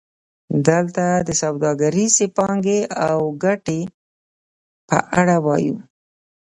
دلته د سوداګریزې پانګې او ګټې په اړه وایو